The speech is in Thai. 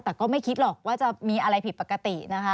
แต่ก็ไม่คิดหรอกว่าจะมีอะไรผิดปกตินะคะ